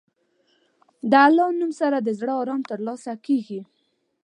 د الله نوم سره د زړه ارام ترلاسه کېږي.